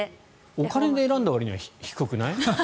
お金で選んだわりには低くない？